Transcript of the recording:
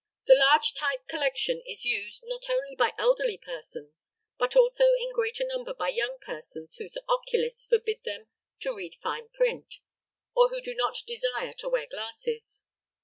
The large type collection is used, not only by elderly persons, but also in greater number by young persons whose oculists forbid them to read fine print, or who do not desire to wear glasses.